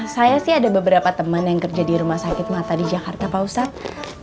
saya sih ada beberapa teman yang kerja di rumah sakit mata di jakarta pak ustadz